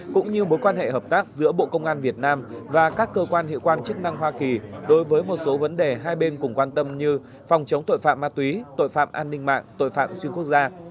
cũng như mối quan hệ hợp tác giữa bộ công an việt nam và các cơ quan hiệu quan chức năng hoa kỳ đối với một số vấn đề hai bên cùng quan tâm như phòng chống tội phạm ma túy tội phạm an ninh mạng tội phạm xuyên quốc gia